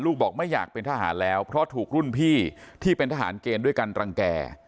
บอกไม่อยากเป็นทหารแล้วเพราะถูกรุ่นพี่ที่เป็นทหารเกณฑ์ด้วยกันรังแก่